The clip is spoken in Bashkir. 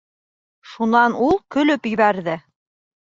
Шунан ул көлөп ебәрҙе.